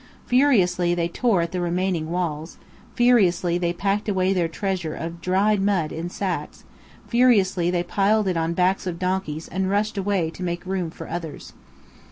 Furiously they tore at the remaining walls; furiously they packed away their treasure of dried mud in sacks; furiously they piled it on backs of donkeys and rushed away to make room for others.